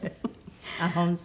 ああ本当。